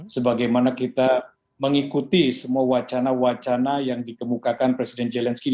sebagaimana kita mengikuti semua wacana wacana yang dikemukakan presiden zelensky